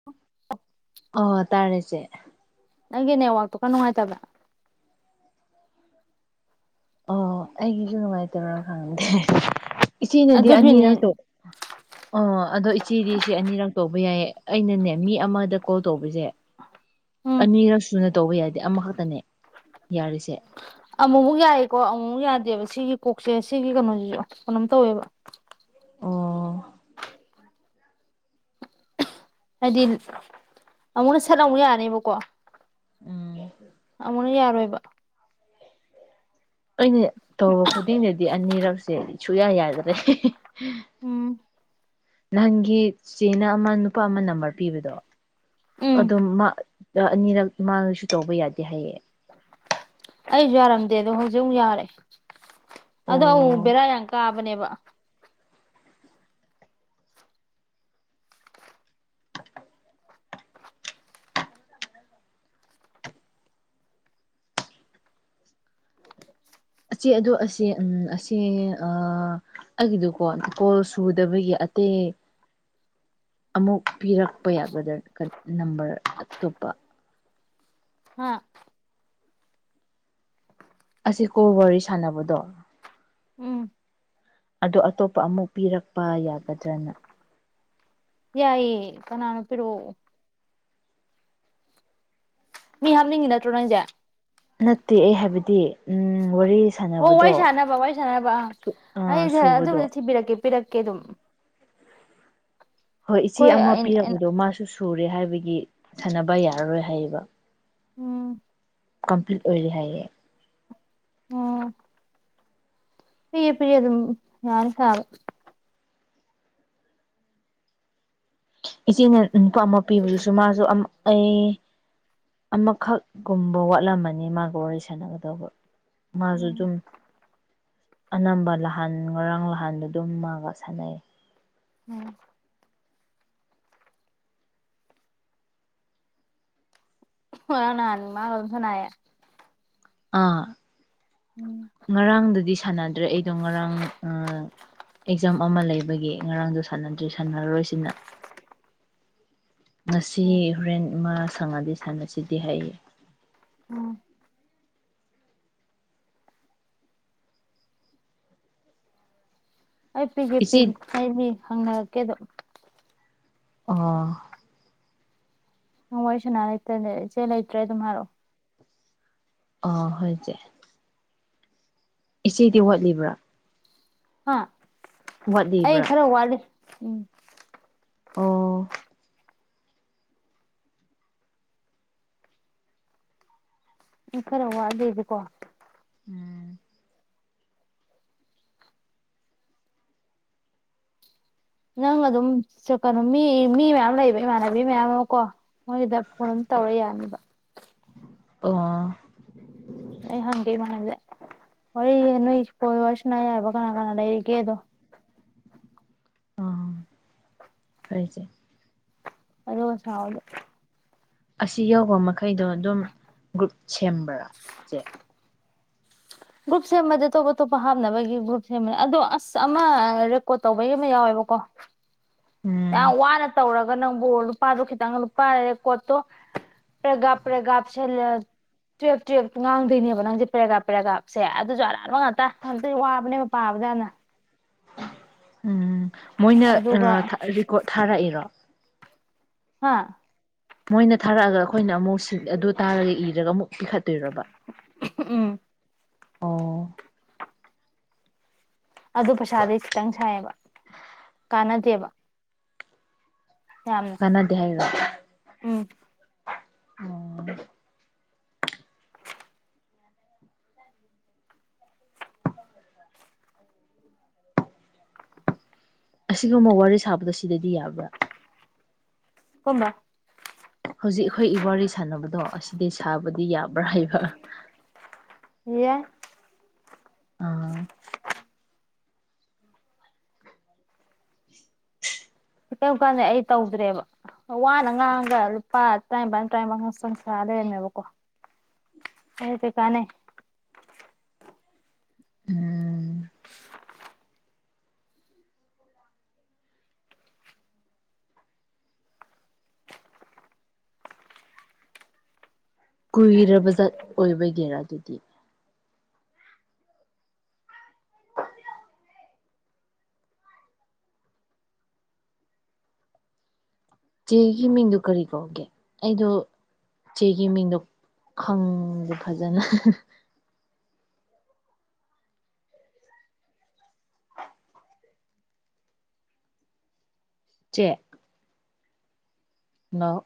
[inaudible] ꯑꯥ ꯇꯥꯔꯦ ꯆꯦ ꯅꯪꯒꯤ ꯅꯦꯠꯋꯥꯛꯇꯣ ꯈꯔ ꯅꯨꯡꯉꯥꯏꯇꯕ꯭ꯔ ꯑꯥ ꯑꯩꯒꯤꯁꯨ ꯅꯨꯡꯉꯥꯏꯇꯕ꯭ꯔ ꯈꯪꯗꯦ ꯏꯆꯦꯅꯗꯤ ꯑꯗꯨꯒꯤꯅꯤ ꯑꯅꯤꯔꯛꯇ ꯑꯣ ꯑꯗꯣ ꯏꯆꯦꯗꯤ ꯁꯤ ꯑꯅꯤꯔꯛ ꯇꯧꯕ ꯌꯥꯏꯌꯦ ꯑꯩꯅꯅꯦ ꯃꯤ ꯑꯃꯗ ꯀꯣꯜ ꯇꯧꯕꯁꯦ ꯎꯝ ꯑꯅꯤꯔꯛ ꯁꯨꯅ ꯇꯧꯕ ꯌꯥꯗꯦ ꯑꯃꯈꯛꯇꯅꯦ ꯌꯥꯔꯤꯁꯦ ꯑꯃꯨꯛꯃꯨꯛ ꯌꯥꯏꯌꯦꯀꯣ ꯑꯃꯨꯛꯃꯨꯛ ꯌꯥꯗꯦꯕ ꯁꯤꯒꯤ ꯀꯣꯛꯁꯦ ꯁꯤꯒꯤ ꯀꯩꯅꯣꯁꯤꯁꯨ ꯀꯩꯅꯣꯝ ꯇꯧꯋꯦꯕ ꯑꯣ ꯍꯥꯏꯗꯤ ꯑꯃꯨꯛꯅ ꯁꯠ ꯑꯃꯨꯛ ꯌꯥꯅꯤꯕꯀꯣ ꯎꯝ ꯑꯃꯨꯛꯅ ꯌꯥꯔꯣꯏꯕ ꯑꯩꯅ ꯇꯧꯕ ꯈꯨꯗꯤꯡꯗꯗꯤ ꯑꯅꯤꯔꯛꯁꯦ ꯁꯨꯛꯌꯥ ꯌꯥꯗ꯭ꯔꯦ ꯎꯝ ꯅꯍꯥꯟꯒꯤ ꯆꯦꯅ ꯑꯃ ꯅꯨꯄꯥ ꯑꯃ ꯅꯝꯕꯔ ꯄꯤꯕꯗꯣ ꯎꯝ ꯑꯗꯨꯝ ꯃꯥ ꯑꯅꯤꯔꯛ ꯃꯥꯅꯁꯨ ꯇꯧꯕ ꯌꯥꯗꯦ ꯍꯥꯏꯌꯦ ꯑꯩꯁꯨ ꯌꯥꯔꯝꯗꯦ ꯑꯗꯣ ꯍꯧꯖꯤꯛ ꯑꯃꯨꯛ ꯌꯥꯔꯦ ꯑꯗꯣ ꯑꯃꯨꯛ ꯃꯨꯛ ꯑꯣ ꯕꯦꯔꯥ ꯌꯥꯝ ꯀꯥꯕꯅꯦꯕ ꯑꯆꯦ ꯑꯗꯨ ꯑꯁꯦ ꯎꯝ ꯑꯁꯦ ꯑꯥ ꯑꯩꯒꯤꯗꯨꯀꯣ ꯀꯣꯜ ꯁꯨꯗꯕꯒꯤ ꯑꯇꯦ ꯑꯃꯨꯛ ꯄꯤꯔꯛꯄ ꯌꯥꯒꯗ꯭ꯔꯥ ꯅꯝꯕꯔ ꯑꯇꯣꯞꯄ ꯍꯥ ꯑꯁꯤ ꯀꯣꯜ ꯋꯥꯔꯤ ꯁꯥꯟꯅꯕꯗꯣ ꯎꯝ ꯑꯗꯣ ꯑꯇꯣꯞꯄ ꯑꯃꯨꯛ ꯄꯤꯔꯛꯄ ꯌꯥꯒꯗ꯭ꯔꯅ ꯌꯥꯏꯌꯦ ꯀꯅꯥꯅꯣ ꯄꯤꯔꯣ ꯃꯤ ꯍꯥꯞꯅꯤꯡꯉꯤ ꯅꯠꯇ꯭ꯔꯣ ꯅꯪꯁꯦ ꯅꯠꯇꯦ ꯑꯩ ꯍꯥꯏꯕꯗꯤ ꯎꯝ ꯋꯥꯔꯤ ꯑꯣ ꯋꯥꯔꯤ ꯁꯥꯟꯅꯕꯗꯣ ꯁꯥꯟꯅꯅꯕ ꯋꯥꯔꯤ ꯁꯥꯟꯅꯅꯕ ꯑꯥ ꯑꯥ ꯑꯩꯁꯦ ꯁꯨꯕꯗꯣ ꯑꯗꯨꯕꯨꯗꯤ ꯊꯤꯕꯤꯔꯛꯀꯦ ꯄꯤꯔꯛꯀꯦ ꯑꯗꯨꯝ ꯍꯣꯏ ꯏꯆꯦ ꯑꯃ ꯑꯩꯈꯣꯏ ꯄꯤꯔꯕꯗꯣ ꯃꯥꯁꯨ ꯁꯨꯔꯦ ꯍꯥꯏꯕꯒꯤ ꯁꯥꯟꯅꯕ ꯌꯥꯔꯔꯣꯏ ꯍꯥꯏꯌꯦꯕ ꯎꯝ ꯀꯝꯄ꯭ꯂꯤꯠ ꯑꯣꯏꯔꯦ ꯍꯥꯏꯌꯦ ꯑꯣ꯬꯬ ꯄꯤꯔꯦ ꯄꯤꯔꯦ ꯑꯗꯨꯝ ꯌꯥꯅꯤ ꯁꯥꯕ ꯏꯆꯦꯅ ꯅꯨꯄꯥ ꯑꯃ ꯄꯤꯕꯗꯨꯁꯨ ꯃꯥꯁꯨ ꯑꯝ ꯑꯩ ꯑꯃꯈꯛꯒꯨꯝꯕ ꯋꯥꯠꯂꯝꯃꯅꯤ ꯃꯥꯒ ꯋꯥꯔꯤ ꯁꯥꯟꯅꯒꯗꯧꯕ ꯃꯥꯖꯨ ꯎꯝ ꯗꯨꯝ ꯑꯅꯝꯕ ꯅꯍꯥꯟ ꯉꯔꯥꯡ ꯅꯍꯥꯟꯗꯣ ꯗꯨꯝ ꯃꯥꯒ ꯁꯥꯟꯅꯩ ꯎꯝ ꯅꯔꯥꯡ ꯅꯍꯥꯟ ꯃꯥꯒ ꯗꯨꯝ ꯁꯥꯅꯩꯌꯦ ꯑꯥ ꯎꯝ ꯉꯔꯥꯡꯗꯨꯗꯤ ꯁꯥꯟꯅꯗ꯭ꯔꯦ ꯑꯩꯗꯣ ꯉꯔꯥꯡ ꯑꯦꯛꯖꯥꯝ ꯑꯃ ꯂꯩꯕꯒꯤ ꯉꯔꯥꯡꯗꯣ ꯁꯥꯟꯅꯗ꯭ꯔꯤ ꯁꯥꯟꯅꯔꯔꯣꯏꯁꯤꯅ ꯉꯁꯤ ꯍꯣꯔꯦꯟ ꯃꯥ ꯁꯪꯉꯗꯤ ꯁꯥꯟꯅꯁꯤꯗꯤ ꯍꯥꯏꯌꯦ ꯎꯝ ꯑꯩ ꯄꯤꯒꯦ ꯏꯆꯦ ꯄꯤꯒꯦ ꯑꯩ ꯃꯤ ꯍꯪꯅꯔꯛꯀꯦꯗꯣ ꯑꯣ ꯅꯪ ꯋꯥꯔꯤ ꯁꯥꯟꯅ ꯂꯩꯇꯦ ꯏꯆꯦ ꯂꯩꯇ꯭ꯔꯦ ꯑꯗꯨꯝ ꯍꯥꯏꯔꯣ ꯑꯣ ꯍꯣꯏ ꯏꯆꯦ ꯏꯆꯦꯗꯤ ꯋꯥꯠꯂꯤꯕ꯭ꯔꯥ ꯍꯥ ꯑꯩ ꯋꯥꯠꯂꯤꯕ꯭ꯔꯥ ꯈꯔ ꯋꯥꯠꯂꯤ ꯎꯝ ꯑꯣ ꯑꯩ ꯈꯔ ꯋꯥꯠꯂꯤꯕꯀꯣ ꯎꯝ ꯅꯪ ꯑꯗꯨꯝ ꯀꯩꯅꯣ ꯃꯤ ꯃꯤ ꯃꯌꯥꯝ ꯂꯩꯕ ꯏꯃꯥꯟꯅꯕꯤ ꯃꯌꯥꯝ ꯑꯃ ꯀꯣ ꯃꯣꯏꯒꯤꯗ ꯐꯣꯟ ꯑꯗꯨꯝ ꯇꯧꯔ ꯌꯥꯅꯤꯕ ꯑꯣ ꯑꯩ ꯍꯪꯒꯦ ꯏꯃꯥꯟꯅꯕꯤꯗ ꯋꯥꯔꯤ ꯅꯣꯏ ꯐꯣꯟ ꯁꯥꯟꯅꯕ ꯌꯥꯕ ꯀꯅꯥ ꯀꯅꯥ ꯂꯩꯔꯤꯒꯦꯗꯣ ꯑꯥ ꯍꯣꯏ ꯏꯆꯦ ꯑꯗꯨꯒ ꯁꯥꯎꯗ ꯑꯁꯤ ꯌꯧꯕ ꯃꯈꯩꯗꯣ ꯑꯗꯨꯝ ꯒ꯭ꯔꯨꯞ ꯁꯦꯝꯕ꯭ꯔꯥ ꯢꯆꯦ ꯒ꯭ꯔꯨꯞ ꯁꯦꯝꯕꯗꯤ ꯑꯇꯣꯞ ꯑꯇꯣꯞꯄ ꯍꯥꯞꯅꯕꯒꯤ ꯒ꯭ꯔꯨꯞ ꯁꯦꯝꯕꯅꯤ ꯑꯗꯣ ꯑꯁ ꯑꯃ ꯔꯦꯀꯣꯠ ꯇꯧꯕꯩ ꯑꯃ ꯌꯥꯎꯋꯦꯕꯀꯣ ꯎꯝ ꯌꯥꯝ ꯋꯥꯅ ꯇꯧꯔꯒ ꯅꯪꯕꯨ ꯂꯨꯄꯥꯗꯣ ꯈꯤꯇꯪ ꯂꯨꯄꯥ ꯔꯦ ꯀꯣꯠꯇꯣ ꯄ꯭ꯔꯦꯒꯥꯞ ꯄ꯭ꯔꯦꯒꯥꯞ ꯁꯤꯜꯂ ꯇꯨꯌꯦꯜꯞ ꯇꯨꯌꯦꯜꯞꯇ ꯉꯥꯡꯗꯣꯏꯅꯦꯕ ꯅꯪꯁꯦ ꯄꯦꯔꯒꯔ꯭ꯥꯞ ꯄꯦꯔꯒ꯭ꯔꯥꯞꯁꯦ ꯑꯗꯨꯁꯨ ꯑꯔꯥꯟꯕ ꯉꯥꯛꯇ ꯉꯥꯛꯇ ꯋꯥꯕꯅꯦꯕ ꯄꯥꯕꯗ ꯌꯥꯝꯅ ꯎꯝ ꯃꯣꯏꯅ ꯑꯗꯨꯒ ꯔꯦꯀꯣꯔꯠ ꯊꯥꯔꯛꯏꯔꯣ ꯍꯥꯥ ꯃꯣꯏꯅ ꯊꯥꯔꯛꯑꯒ ꯑꯩꯈꯣꯏꯅ ꯑꯃꯨꯛ ꯁꯤ ꯑꯗꯨ ꯇꯥꯔꯒ ꯏꯔꯒ ꯑꯃꯨꯛ ꯄꯤꯈꯠꯇꯣꯏꯔꯕ ꯎꯝ ꯑꯣ ꯑꯗꯨ ꯄꯩꯁꯥꯗꯤ ꯈꯤꯇꯪ ꯁꯥꯏꯑꯦꯕ ꯀꯥꯟꯅꯗꯦꯕ ꯌꯥꯝꯅ ꯃꯥꯟꯅꯥꯗꯦ ꯍꯥꯏꯔꯤꯔꯣ ꯑꯣ ꯎꯝ [unintelligible] ꯑꯁꯤꯒꯨꯝꯕ ꯋꯥꯔꯤ ꯁꯥꯕꯗꯣ ꯁꯤꯗꯗꯤ ꯌꯥꯕ꯭ꯔꯥ ꯀꯝꯕ ꯍꯧꯖꯤꯛ ꯑꯩꯈꯣꯏ ꯋꯥꯔꯤ ꯁꯥꯟꯅꯕꯗꯣ ꯑꯁꯤꯗꯤ ꯁꯥꯕꯗꯤ ꯌꯥꯕ꯭ꯔꯥ ꯍꯥꯏꯕ ꯌꯥꯢ ꯑꯥ ꯀꯥꯟꯗꯤ ꯑꯩ ꯇꯧꯗ꯭ꯔꯦꯕ ꯋꯥꯅ ꯉꯥꯡꯒ ꯂꯨꯄꯥ ꯇꯔꯥꯄꯥꯟ ꯇꯔꯥꯄꯥꯟ ꯈꯛ ꯁꯥ ꯂꯩꯔꯝꯃꯦꯕꯀꯣ ꯑꯗꯨ ꯀꯩ ꯀꯥꯟꯅꯩ ꯎꯝ ꯀꯨꯏꯔꯕꯖꯠ ꯑꯣꯏꯕꯒꯤꯋꯥ ꯑꯗꯨꯗꯤ ꯆꯦꯒꯤ ꯃꯤꯡꯗꯣ ꯀꯔꯤ ꯀꯧꯒꯦ ꯑꯩꯗꯣ ꯆꯦꯒꯤ ꯃꯤꯡꯗꯣ ꯈꯪꯗꯦ ꯐꯖꯅ ꯆꯦ ꯍꯜꯂꯣ